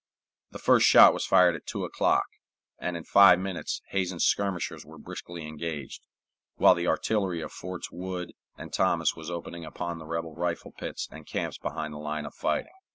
The first shot was fired at two o'clock, and in five minutes Hazen's skirmishers were briskly engaged, while the artillery of Forts Wood and Thomas was opening upon the rebel rifle pits and camps behind the line of fighting.